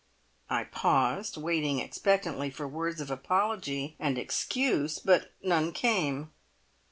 I paused, waiting expectantly for words of apology and excuse, but none came.